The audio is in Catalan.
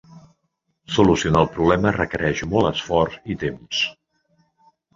Solucionar el problema requereix molt esforç i temps.